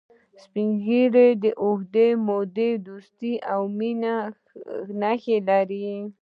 سپین ږیری د اوږدې مودې دوستی او مینې نښې لري